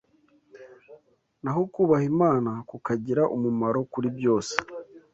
naho kubaha Imana kukagira umumaro kuri byose